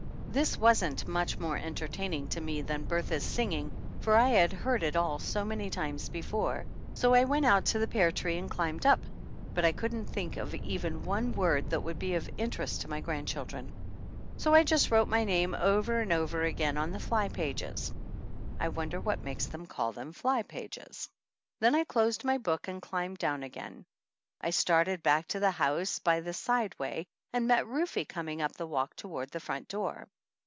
This wasn't much more entertaining to me than Bertha's singing, for I had heard it all so many times before, so I went out to the pear tree and climbed up, but I couldn't think of even one word that would be of interest to my grandchildren. So I just wrote my name over and over again on the fly pages. I wonder what makes them call them "fly pages?" Then I closed my book and climbed down again. I started back to the house by the side way, and met Rufe coming up the walk toward the front door.